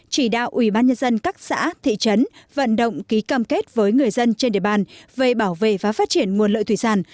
chỉ đạo ubnd các xã thị trấn vận động ký cam kết với người dân trên địa bàn về bảo vệ và phát triển nguồn lợi thủy sản